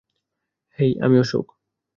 হেই, আমি অশোক।